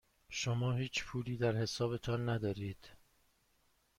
شما هیچ پولی در حسابتان ندارید.